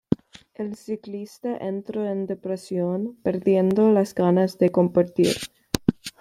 El ciclista entró en depresión, perdiendo las ganas de competir.